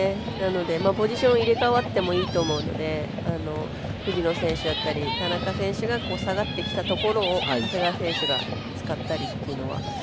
ポジション入れ代わってもいいと思うので藤野選手だったり、田中選手が下がってきたところを長谷川選手が使ったりっていうのは。